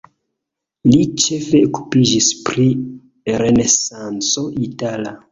Li ĉefe okupiĝis pri renesanco itala.